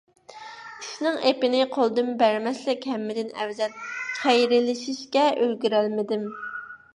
ئىشنىڭ ئېپىنى قولدىن بەرمەسلىك ھەممىدىن ئەۋزەل، خەيرلىشىشكە ئۈلگۈرەلمىدىم.